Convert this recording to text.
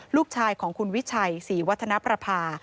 ลูกชายของคุณวิชัยศรีวัฒนประภา